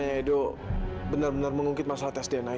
kak fadilering tadi auchan